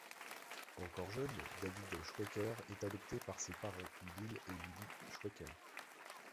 Encore jeune, David Schweikert est adopté par ses parents, Bill et Lee Schweikert.